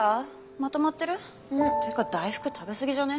まとまってる？ってか大福食べすぎじゃね？